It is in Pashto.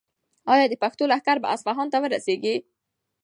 ایا د پښتنو لښکر به اصفهان ته ورسیږي؟